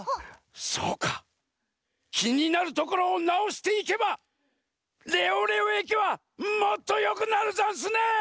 そうかきになるところをなおしていけばレオレオえきはもっとよくなるざんすね！